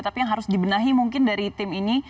tapi yang harus dibenahi mungkin dari tim ini